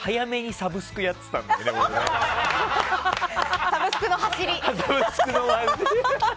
サブスクの走り。